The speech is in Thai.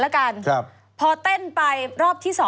ใครคือน้องใบเตย